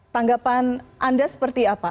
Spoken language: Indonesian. tanggapan anda seperti apa